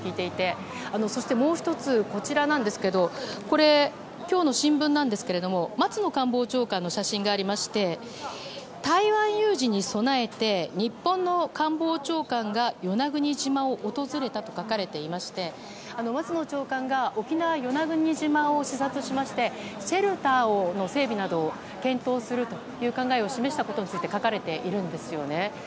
そして、もう１つ今日の新聞なんですけど松野官房長官の写真がありまして台湾有事に備えて日本の官房長官が与那国島を訪れたと書かれていまして松野長官が沖縄、与那国島を視察しましてシェルターの整備などを検討する考えを示したことについて書かれているんですよね。